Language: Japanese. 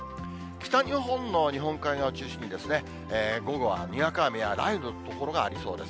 北日本の日本海側を中心に、午後はにわか雨や雷雨の所がありそうです。